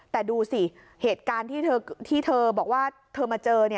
แต่ดูสิเหตุการณ์ที่เธอบอกว่าเธอมาเจอ